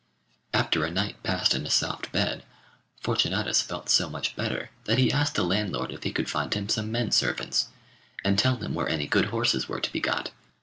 After a night passed in a soft bed, Fortunatus felt so much better that he asked the landlord if he could find him some men servants, and tell him where any good horses were to be got.